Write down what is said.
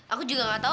aku juga enggak tahu